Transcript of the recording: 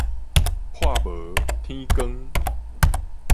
破無，天光